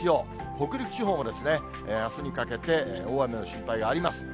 北陸地方もあすにかけて大雨の心配があります。